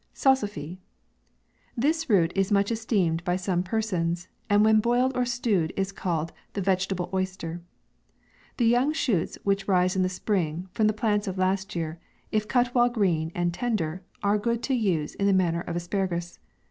SALSAFY. This root is much esteemed by some per sons, and when boiled or stewed, is ceiled the vegetable oyster. The young shoots which rise in the spring, from the plants of 1 last year, if cut while green and tender, are good to use in the manner of asparagus.